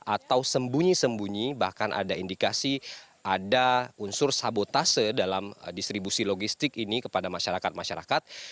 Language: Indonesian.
atau sembunyi sembunyi bahkan ada indikasi ada unsur sabotase dalam distribusi logistik ini kepada masyarakat masyarakat